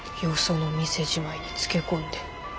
よその店じまいにつけ込んで。